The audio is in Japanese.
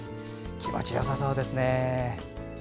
気持ちよさそうですね。